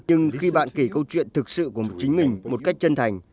nhưng khi bạn kể câu chuyện thực sự của chính mình một cách chân thành